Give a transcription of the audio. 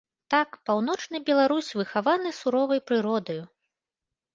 Так, паўночны беларус выхаваны суворай прыродаю.